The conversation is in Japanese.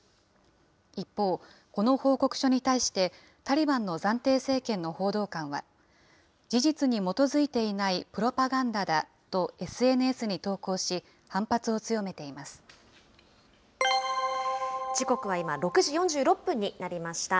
一方、この報告書に対して、タリバンの暫定政権の報道官は、事実に基づいていないプロパガンダだとＳＮＳに投稿し、反発を強時刻は今、６時４６分になりました。